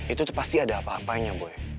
itu pasti ada apa apanya boleh